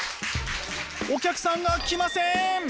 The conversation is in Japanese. お客さんが来ません！